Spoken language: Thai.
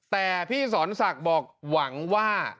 แต่พี่สอนศักดิ์บอกหวังว่า